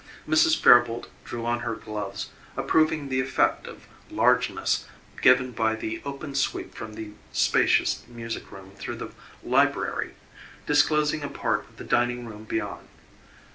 Mrs. Fairboalt drew on her gloves, approving the effect of largeness given by the open sweep from the spacious music room through the library, disclosing a part of the dining room beyond.